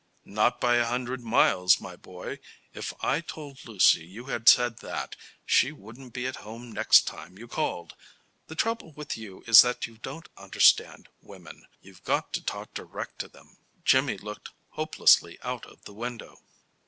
"Not by a hundred miles, my boy. If I told Lucy you had said that, she wouldn't be at home next time you called. The trouble with you is that you don't understand women. You've got to talk direct to them." Jimmy looked hopelessly out of the window.